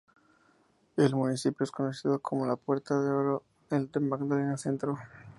El municipio es conocido como la Puerta de Oro del Magdalena Centro.